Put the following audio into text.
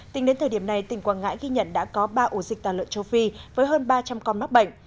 tính đến thời điểm này tỉnh quảng ngãi ghi nhận đã có ba ổ dịch tà lợn châu phi với hơn ba trăm linh con mắc bệnh